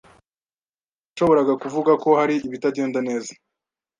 hirwa yashoboraga kuvuga ko hari ibitagenda neza.